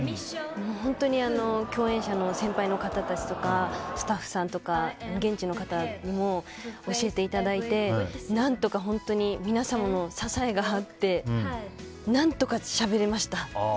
本当に共演者の先輩の方達とかスタッフさんとか現地の方に教えていただいて何とか本当に皆様の支えがあって何とかしゃべれました。